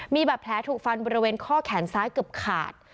มีบาดแผลถูกฟันบริเวณข้อแขนซ้ายเกือบขาด